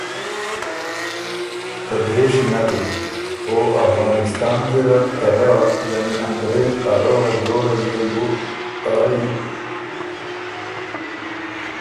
ته درېشی نک اِن او افغانِسان ګیرډ ته رۀ (انګرېز) ا روغه جوړه يې بو ته رئ